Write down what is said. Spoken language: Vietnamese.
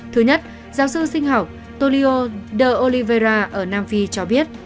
thứ nhất giáo sư sinh học tolio de olivera ở nam phi cho biết